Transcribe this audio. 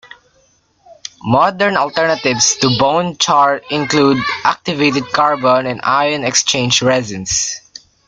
Modern alternatives to bone char include activated carbon and ion-exchange resins.